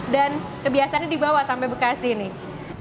dan kebiasaannya di bawah sampai bekasi nih